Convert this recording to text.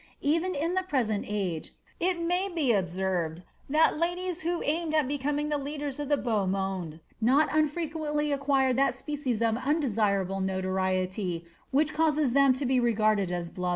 Even in th» age it may be observed tliat ladies who aim at becoming the of the heau mande not unfrequently acquire that species of und notoriety which causes them to be regarded as blca^.